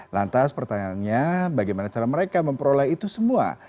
lantas pertanyaannya bagaimana cara mereka memperoleh itu semua